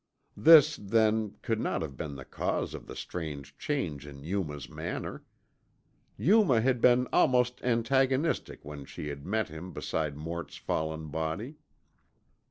This, then, could not have been the cause of the strange change in Yuma's manner. Yuma had been almost antagonistic when she had met him beside Mort's fallen body.